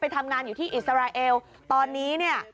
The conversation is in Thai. ทำงานอยู่ที่อิสราเอลตอนนี้เนี่ย